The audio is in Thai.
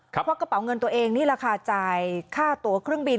ควักกระเป๋าเงินตัวเองที่ราคาจ่ายค่าตัวเครื่องบิน